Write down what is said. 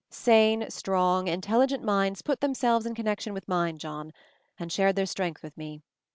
"Sane, strong, intelligent minds put them selves in connection with mine, John, and shared their strength with me.